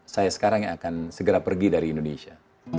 saya sekarang yang akan segera pergi dari indonesia